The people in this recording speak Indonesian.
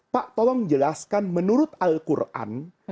pak tolong jelaskan menurut al quran